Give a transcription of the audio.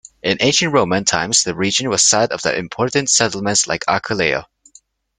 In Ancient Roman times the region was the site of important settlements like Aquileia.